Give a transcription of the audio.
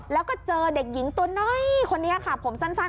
แล้วก็เจอเด็กหญิงตัวน้อยครับสั้นครับ